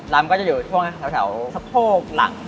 มันก็จะอยู่ช่วงแถวสะโพกหลัง